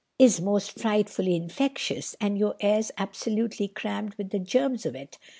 —is most frightfully infectious, and your air's absolutely crammed with the germs of it.